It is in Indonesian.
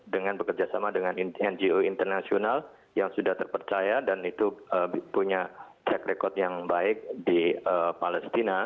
dengan bekerjasama dengan ngo internasional yang sudah terpercaya dan itu punya track record yang baik di palestina